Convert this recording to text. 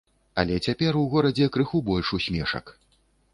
Але цяпер у горадзе крыху больш усмешак.